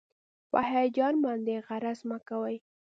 په هېچا باندې غرض مه کوئ.